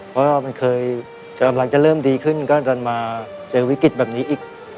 เพราะว่ามันเคยกำลังจะเริ่มดีขึ้นก็ดันมาเจอวิกฤตแบบนี้อีก